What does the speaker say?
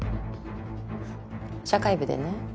ふっ社会部でね